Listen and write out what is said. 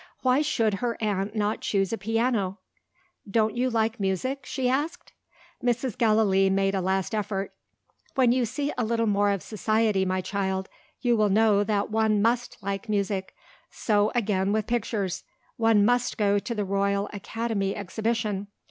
Why should her aunt not choose a piano? "Don't you like music?" she asked. Mrs. Gallilee made a last effort. "When you see a little more of society, my child, you will know that one must like music. So again with pictures one must go to the Royal Academy Exhibition.